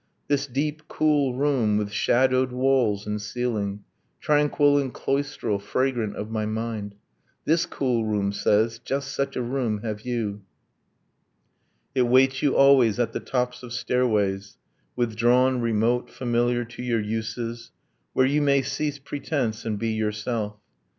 . This deep cool room, with shadowed walls and ceiling, Tranquil and cloistral, fragrant of my mind, This cool room says, just such a room have you, It waits you always at the tops of stairways, Withdrawn, remote, familiar to your uses, Where you may cease pretence and be yourself.